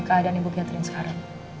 keadaan ibu catherine sekarang